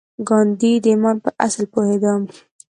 ګاندي د ايمان پر اصل پوهېده.